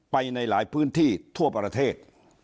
ในหลายพื้นที่ทั่วประเทศ